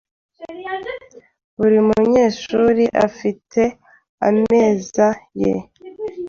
Buri munyeshuri afite ameza ye .